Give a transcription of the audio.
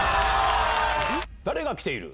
誰が来ている？